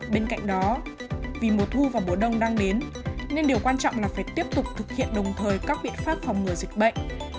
bên cạnh đó vì mùa thu và mùa đông đang đến nên điều quan trọng là phải tiếp tục thực hiện đồng thời các biện pháp phòng ngừa dịch bệnh